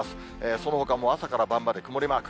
そのほかも朝から晩まで曇りマーク。